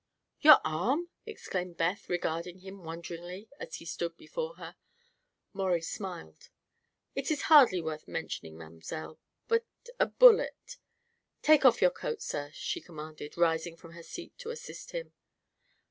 "Your arm!" exclaimed Beth, regarding him wonderingly as he stood before her. Maurie smiled. "It is hardly worth mentioning, mamselle, but a bullet " "Take off your coat," she commanded, rising from her seat to assist him.